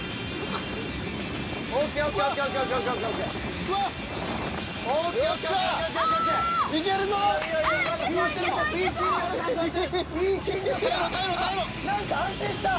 あっ何か安定した。